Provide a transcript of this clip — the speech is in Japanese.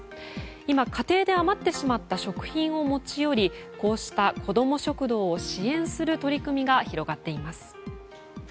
今、家庭で余ってしまった食品を持ち寄りこうしたこども食堂を支援する取り組みが広がっています。